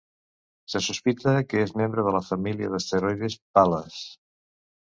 Se sospita que és membre de la família d'asteroides Pal·les.